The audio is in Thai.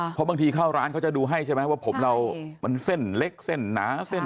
เพราะบางทีเข้าร้านเขาจะดูให้ใช่ไหมว่าผมเรามันเส้นเล็กเส้นหนาเส้น